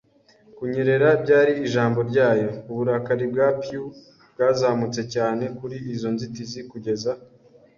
Kunyerera byari ijambo ryayo; Uburakari bwa Pew bwazamutse cyane kuri izo nzitizi kugeza